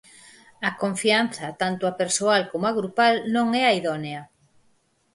A confianza tanto a persoal como a grupal non é a idónea.